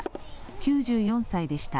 ９４歳でした。